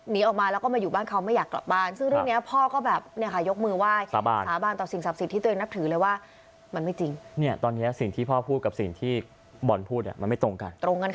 ไม่ให้ออกมาเบนท์ก็เลยหนีออกมา